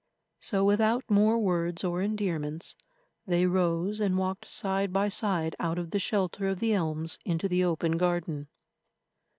So without more words or endearments they rose and walked side by side out of the shelter of the elms into the open garden.